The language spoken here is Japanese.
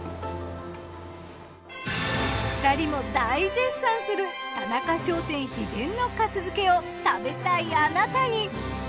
２人も大絶賛する田中商店秘伝の粕漬けを食べたいあなたに！